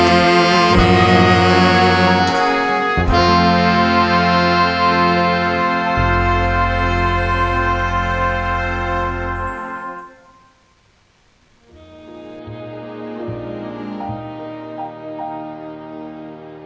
รักมันไม่พันรักมันไม่มีความรัก